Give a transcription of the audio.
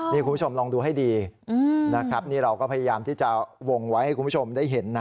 นี่คุณผู้ชมลองดูให้ดีนะครับนี่เราก็พยายามที่จะวงไว้ให้คุณผู้ชมได้เห็นนะ